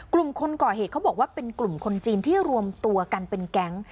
กลุ่มคนก่อเหตุเขาบอกว่าเป็นกลุ่มคนจีนที่รวมตัวกันเป็นแก๊ง